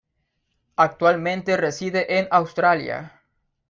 Actualmente reside en Australia.